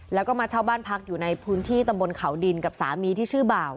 แล้วก็มาเช่าบ้านพักอยู่ในพื้นที่ตำบลเขาดินกับสามีที่ชื่อบ่าว